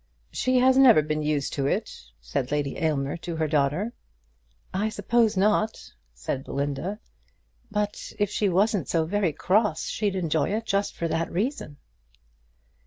"She has never been used to it," said Lady Aylmer to her daughter. "I suppose not," said Belinda; "but if she wasn't so very cross she'd enjoy it just for that reason."